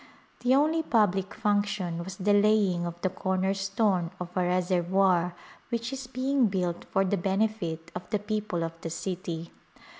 The only public function was the laying of the corner stone of a reservoir which is being built for the benefit of the people of the city.